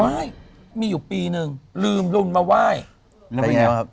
ไหว้มีอยู่ปีหนึ่งลืมลุนมาไหว้